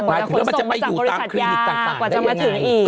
กว่าอย่างมันไปจากบริษัทหยากกว่าจะมาถึงอีก